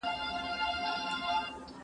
ول بازار ته څه وړې، ول طالع.